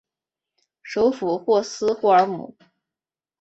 首府霍斯霍尔姆。